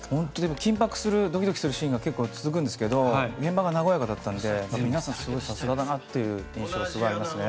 緊迫するドキドキするシーンが続くんですけど現場が和やかだったので皆さん、さすがだなっていう印象がありますね。